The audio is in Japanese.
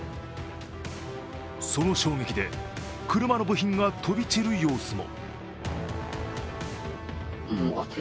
その衝撃で車の部品が飛び散る様子も。